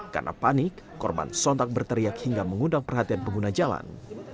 karena panik korban sontak berteriak hingga mengundang perhatian pengguna jalan